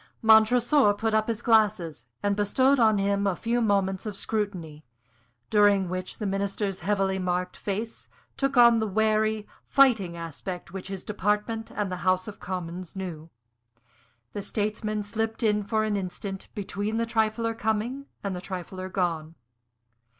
Montresor put up his glasses and bestowed on him a few moments of scrutiny, during which the Minister's heavily marked face took on the wary, fighting aspect which his department and the House of Commons knew. The statesman slipped in for an instant between the trifler coming and the trifler gone.